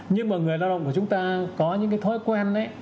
nhưng mà người lao động của chúng ta có những cái thói quen ấy